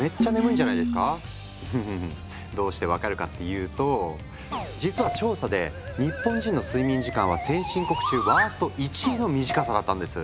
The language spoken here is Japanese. うんうんうんどうして分かるかっていうと実は調査で日本人の睡眠時間は先進国中ワースト１位の短さだったんです。